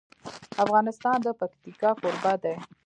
افغانستان د پکتیکا کوربه دی.